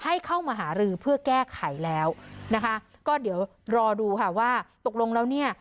ให้เข้ามาหารือเพื่อแก้ไขแล้วนะคะก็เดี๋ยวรอดูค่ะว่าตกลงแล้วเนี่ย